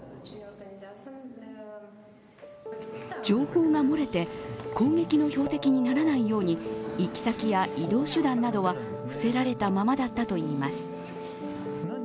情報が漏れて攻撃の標的にならないように行き先や移動手段などは伏せられたままだったといいます。